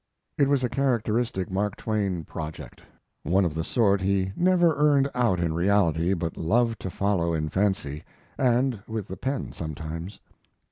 It was a characteristic Mark Twain project, one of the sort he never earned out in reality, but loved to follow in fancy, and with the pen sometimes.